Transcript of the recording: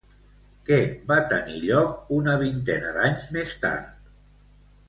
Què va tenir lloc una vintena d'anys més tard?